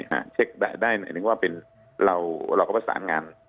แปรหนึ่งเราก็สารงาน